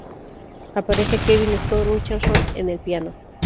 Aparece Kevin Scott Richardson en el piano.